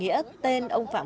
thì đến trần